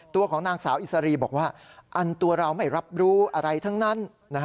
ตัวของนางสาวอิสรีบอกว่าอันตัวเราไม่รับรู้อะไรทั้งนั้น